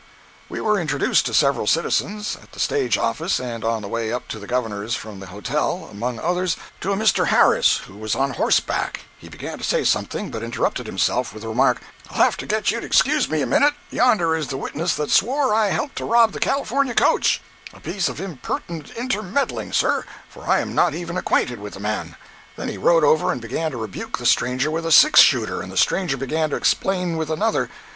We were introduced to several citizens, at the stage office and on the way up to the Governor's from the hotel—among others, to a Mr. Harris, who was on horseback; he began to say something, but interrupted himself with the remark: "I'll have to get you to excuse me a minute; yonder is the witness that swore I helped to rob the California coach—a piece of impertinent intermeddling, sir, for I am not even acquainted with the man." Then he rode over and began to rebuke the stranger with a six shooter, and the stranger began to explain with another.